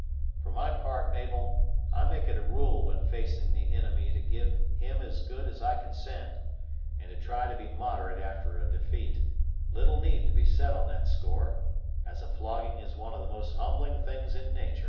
For my part, Mabel, I make it a rule when facing the inimy to give him as good as I can send, and to try to be moderate after a defeat, little need be said on that score, as a flogging is one of the most humbling things in natur'.